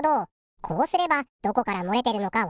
こうすればどこからもれてるのかわかるのか。